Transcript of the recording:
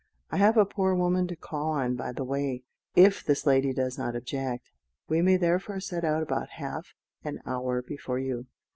"I have a poor woman to call on by the way, if this lady does not object. We may therefore set out about half an hour before you.